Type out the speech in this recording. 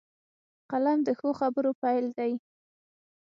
قلم د ښو خبرو پيل دی